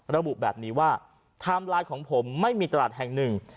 ระบุแบบนี้ว่าไทม์ไลน์ของผมไม่มีตลาดแห่งหนึ่ง